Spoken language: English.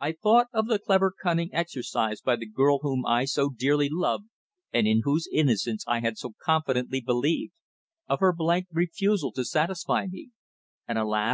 I thought of the clever cunning exercised by the girl whom I so dearly loved and in whose innocence I had so confidently believed, of her blank refusal to satisfy me, and alas!